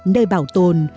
nơi bảo tồn